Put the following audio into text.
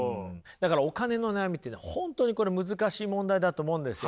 だからお金の悩みっていうのは本当にこれ難しい問題だと思うんですよ。